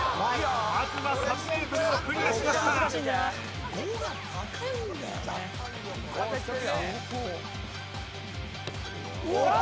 まずは３ｍをクリアしましたあっ